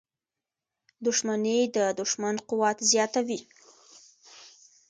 • دښمني د دوښمن قوت زیاتوي.